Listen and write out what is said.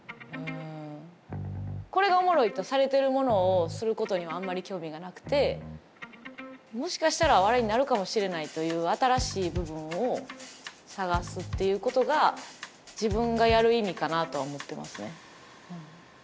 「これがおもろい」とされてるものをすることにはあんまり興味がなくてもしかしたら笑いになるかもしれないという新しい部分を探すっていうことが自分がやる意味かなとは思ってますね。